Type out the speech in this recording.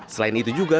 selain itu juga